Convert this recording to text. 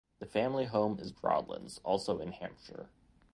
The family home is Broadlands, also in Hampshire.